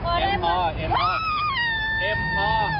พี่แอม